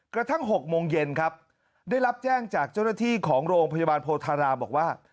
กระทั่ง๖โมงเย็นครับได้รับแจ้งจากเจ้าหน้าที่ของโรงพยาบาลโพธาราบอกว่า